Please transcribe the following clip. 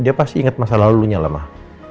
dia pasti inget masa lalunya lah mak